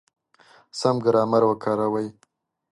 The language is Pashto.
سم ګرامر وکاروئ!